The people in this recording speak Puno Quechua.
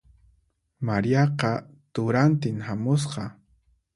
Mariaqa turantin hamusqa.